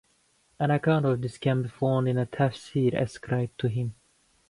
An account of this can be found in a Tafsir ascribed to him.